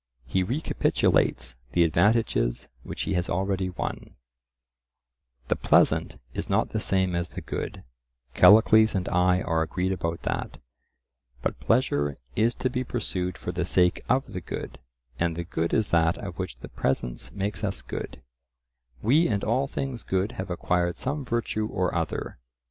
He recapitulates the advantages which he has already won:— The pleasant is not the same as the good—Callicles and I are agreed about that,—but pleasure is to be pursued for the sake of the good, and the good is that of which the presence makes us good; we and all things good have acquired some virtue or other.